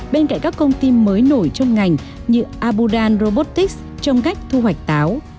bên cạnh các công ty mới nổi trong ngành như abudan robotics trong cách thu hoạch táo